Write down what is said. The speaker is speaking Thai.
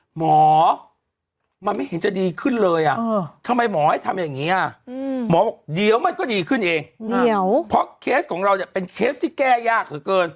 หมอมันไม่เห็นจะดีขึ้นเลยอ่ะทำไมหมอให้ทำอย่างนี้อ่ะหมอบอกเดี๋ยวมันก็ดีขึ้นเองเดี๋ยวเพราะเคสของเราเนี่ยเป็นเคสที่แก้ยากเหลือเกิน